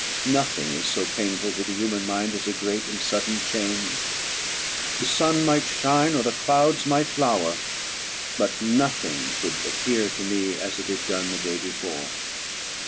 Nothing is so painful to the human mind as a great and sudden change. The sun might shine, or the clouds might lower: but nothing could appear to me as it had done the day before.